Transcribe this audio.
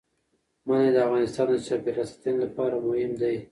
منی د افغانستان د چاپیریال ساتنې لپاره مهم دي.